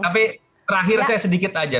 tapi terakhir saya sedikit aja